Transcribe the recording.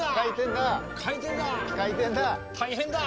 大変だ。